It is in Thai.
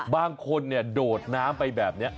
บางคนโดดน้ำไปแบบนี้